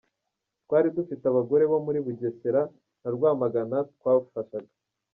Twari dufite abagore bo muri Bugesera na Rwamagana twafashaga.